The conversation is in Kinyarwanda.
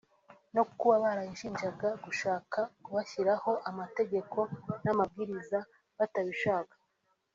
no kuba barayishinjaga gushaka kubashyiraho amategeko n’amabwiriza batabishaka